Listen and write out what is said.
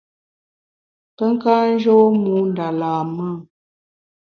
Pe ka njô mû nda lam-e ?